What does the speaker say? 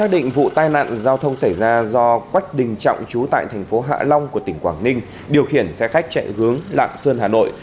vụ tai nạn giao thông xảy ra do quách đình trọng chú tại thành phố hạ long của tỉnh quảng ninh điều khiển xe khách chạy hướng lạng sơn hà nội